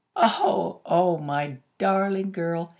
"Oh! Oh! My darling girl!!"